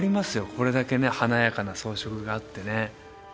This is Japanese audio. これだけね華やかな装飾があってね